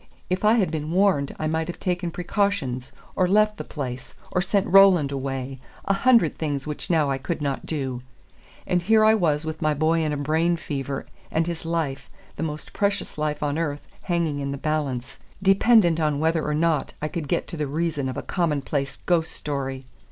If I had been warned I might have taken precautions, or left the place, or sent Roland away, a hundred things which now I could not do; and here I was with my boy in a brain fever, and his life, the most precious life on earth, hanging in the balance, dependent on whether or not I could get to the reason of a commonplace ghost story!